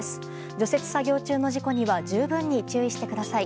除雪作業中の事故には十分に注意してください。